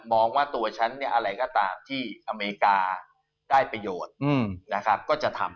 บอกว่าตัวฉันเนี่ยอะไรก็ตามที่อเมริกาได้ประโยชน์นะครับก็จะทำ